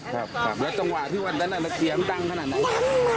ครับครับแล้วจังหวะที่วันนั้นอันดักเกียร์มตั้งขนาดนั้น